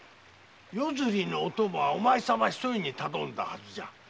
夜釣りのお供はお前様一人に頼んだはずじゃ。